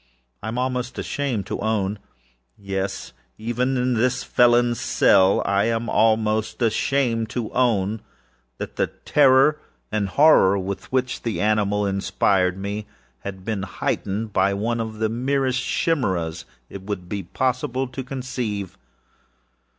I am almost ashamed to ownâyes, even in this felonâs cell, I am almost ashamed to ownâthat the terror and horror with which the animal inspired me, had been heightened by one of the merest chimaeras it would be possible to conceive.